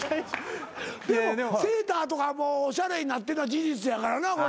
でもセーターとかおしゃれになってんのは事実やからな。